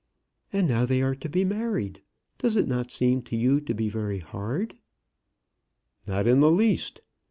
"And now they are to be married. Does it not seem to you to be very hard?" "Not in the least.